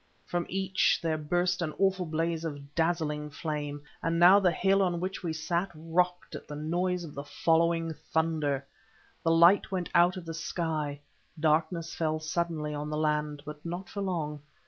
From each there burst an awful blaze of dazzling flame, and now the hill on which we sat rocked at the noise of the following thunder. The light went out of the sky, darkness fell suddenly on the land, but not for long.